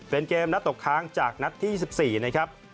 เป็นเกมนัดตกค้างจากนัดที่๒๔นะครับ